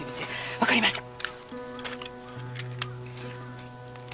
わかりました。